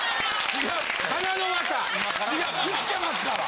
違う生きてますから。